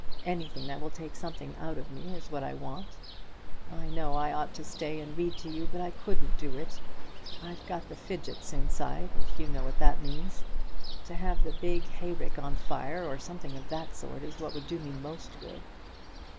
Anything that will take something out of me is what I want. I know I ought to stay and read to you; but I couldn't do it. I've got the fidgets inside, if you know what that means. To have the big hay rick on fire, or something of that sort, is what would do me most good."